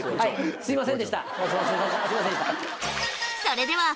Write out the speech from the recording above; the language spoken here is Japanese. すいません。